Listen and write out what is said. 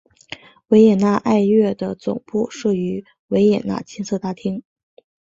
维也纳爱乐的总部设于维也纳金色大厅。